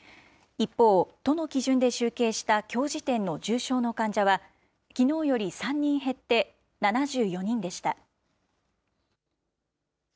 一方、都の基準で集計したきょう時点の重症の患者は、きのうより３人減って、７４人でした。